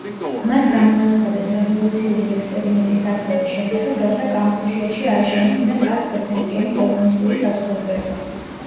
მათ გამოაცხადეს „რევოლუციური ექსპერიმენტის“ დაწყების შესახებ, რათა კამპუჩიაში აეშენებინათ „ასპროცენტიანი კომუნისტური საზოგადოება“.